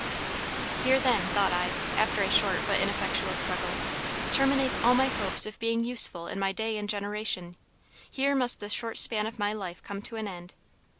"'Here then,' thought I, after a short but ineffectual struggle, 'terminates all my hopes of being useful in my day and generation; here must the short span of my life come to an end!'